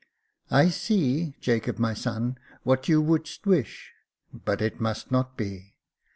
" I see, Jacob, my son, what thou wouldst wish : but it must not be.